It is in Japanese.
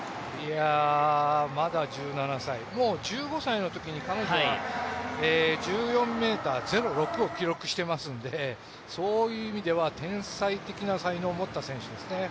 まだ１７歳もう１５歳のときに彼女は１４ｍ０６を記録していますのでそういう意味では、天才的な才能を持った選手ですね。